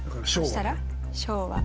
そしたら昭和。